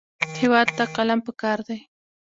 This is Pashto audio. هېواد ته قلم پکار دی